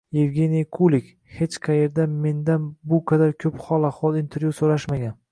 Yevgeniy Kulik: hech qayerda mendan bu qadar ko‘p hol-ahvol, intervyu so‘rashmagan